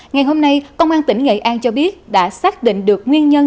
ngày hôm nay công an tỉnh nghệ an cho biết đã xác định được nguyên nhân